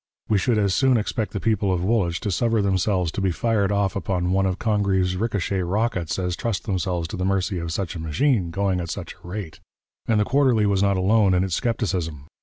We should as soon expect the people of Woolwich to suffer themselves to be fired off upon one of Congreve's ricochet rockets as trust themselves to the mercy of such a machine, going at such a rate.' And the Quarterly was not alone in its scepticism.